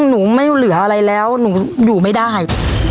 หนูไม่เหลืออะไรแล้วหนูอยู่ไม่ได้